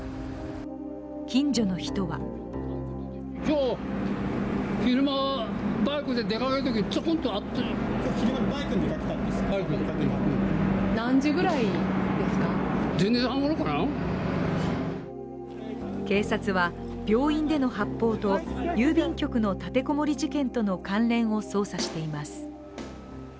近所の人は警察は病院での発砲と郵便局での立てこもり事件との関連を捜査しています。